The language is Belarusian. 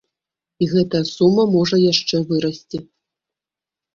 І гэтая сума можа яшчэ вырасці.